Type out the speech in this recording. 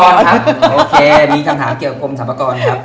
โอเคมีคำถามเกี่ยวกับกลมสรรพากรครับ